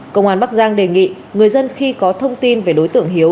công an bắc giang đề nghị người dân khi có thông tin về đối tượng hiếu